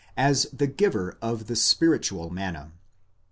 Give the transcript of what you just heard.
as the giver of the spiritual manna.